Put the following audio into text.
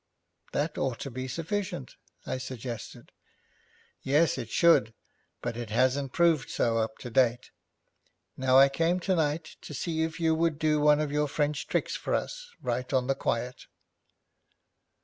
'That ought to be sufficient,' I suggested. 'Yes, it should, but it hasn't proved so up to date. Now I came tonight to see if you would do one of your French tricks for us, right on the quiet.'